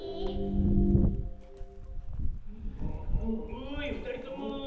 おいふたりとも。